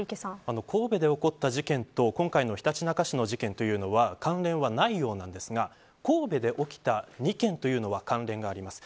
神戸で起こった事件と今回のひたちなか市の事件というのは関連はないようなんですが神戸で起きた２件というのは関連があります。